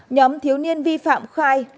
nhóm thiếu niên vi phạm khai